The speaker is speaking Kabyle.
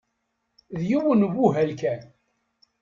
D yiwen ubuhal kan.